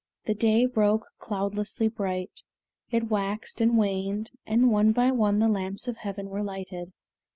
The day broke cloudlessly bright. It waxed and waned, and one by one the lamps of heaven were lighted.